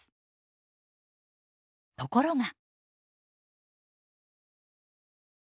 ところが。